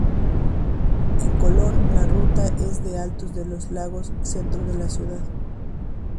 En Colón la ruta es de Altos de Los Lagos-centro de la ciudad.